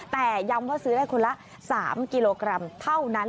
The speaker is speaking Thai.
แต่ย้ำว่าซื้อได้คนละ๓กิโลกรัมเท่านั้น